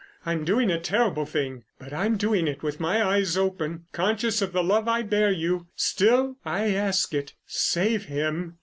I'm doing a terrible thing, but I'm doing it with my eyes open, conscious of the love I bear you.... Still, I ask it. Save him."